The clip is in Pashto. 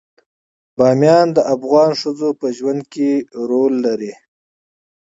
بامیان د افغان ښځو په ژوند کې رول لري.